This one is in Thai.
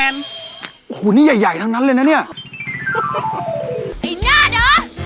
โอ้โหนี่ใหญ่ใหญ่ทั้งนั้นเลยนะเนี่ยเห็นหน้านะ